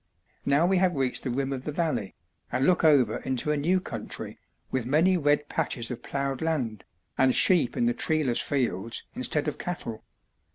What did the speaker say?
Now we have reached the rim of the valley, and look over into a new country, with many red patches of ploughed land, and sheep in the treeless fields instead of cattle.